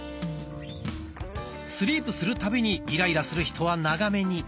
スリープするたびにイライラする人は長めに。